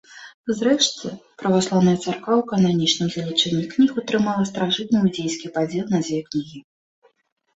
Зрэшты, праваслаўная царква ў кананічным злічэнні кніг утрымала старажытны іўдзейскі падзел на дзве кнігі.